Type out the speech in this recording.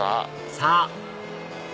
さぁ！